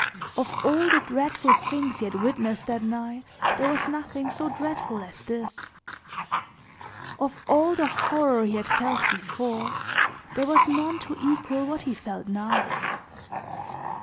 Of all the dreadful things he had witnessed that night, there was nothing so dreadful as this; of all the horror he had felt before, there was none to equal what he felt now.